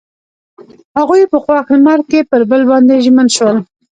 هغوی په خوښ لمر کې پر بل باندې ژمن شول.